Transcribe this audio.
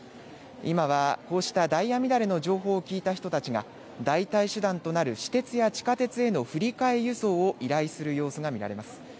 今はこうしたダイヤ乱れの情報を聞いた人たちが代替手段となる私鉄や地下鉄への振り替え輸送を依頼する様子が見られます。